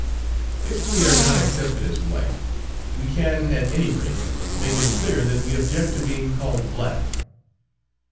If we are not accepted as white, we can at any rate make it clear that we object to being called black.